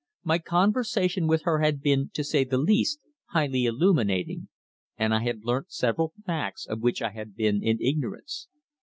My conversation with her had been, to say the least, highly illuminating, and I had learnt several facts of which I had been in ignorance.